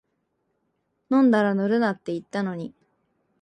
飲んだら乗るなって言ったのに